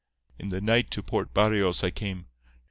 In the night to Port Barrios I came.